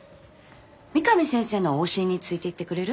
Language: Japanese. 三上先生の往診についていってくれる？